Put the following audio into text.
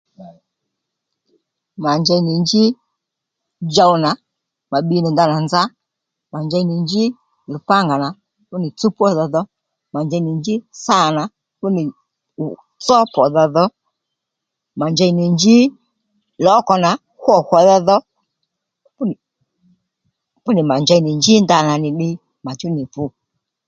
Mà njey nì njí djow nà mà bbi nì ndanà nza mà njey nì njí lùpángà nà fúnì tsúw pwódha dho mà njey nì njí sâ nà fúnì tsó pwòdha dho mà njey nì njí lǒkò nà hwô hwòdha dho fúnì mà njey nì njí ndanà nì ddíy mà chú nì fu